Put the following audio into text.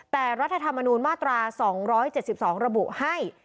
แต่รัฐธรรมนูญมาตรา๒๗๒ระบุให้